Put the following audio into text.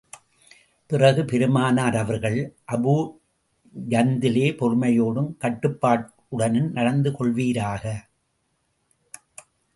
பிறகு, பெருமானார் அவர்கள், அபூ ஜந்தலே, பொறுமையோடும் கட்டுப்பாட்டுடனும் நடந்து கொள்வீராக.